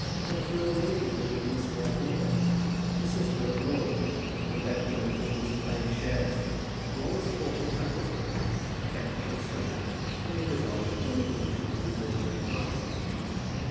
And there was an old lady living in Miss Dale's neighbourhood, the sister of the lord who had left Johnny Eames the bank shares, who always fought his battles for him, and kept a close look out, fully resolved that John Eames should be rewarded at last.